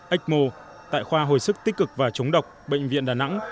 ecmo tại khoa hồi sức tích cực và chống độc bệnh viện đà nẵng